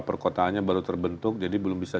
perkotaannya baru terbentuk jadi belum bisa